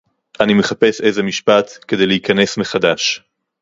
אני מחפש איזה משפט כדי להיכנס מחדש